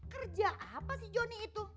kerja apa sih joni itu